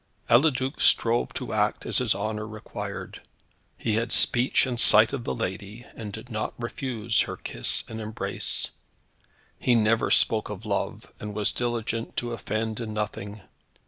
Eliduc strove to act as his honour required. He had speech and sight of the lady, and did not refuse her kiss and embrace. He never spoke of love, and was diligent to offend in nothing.